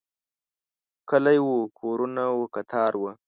کلی و، کورونه و، کتار و